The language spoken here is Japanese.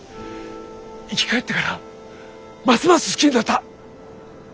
生き返ってからますます好きになった。